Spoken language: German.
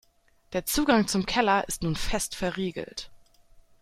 Der Zugang zum Keller ist nun fest verriegelt.